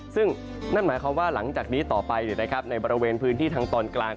ซึ่งนั่นหมายความว่าหลังจากนี้ต่อไปในบริเวณพื้นที่ทางตอนกลาง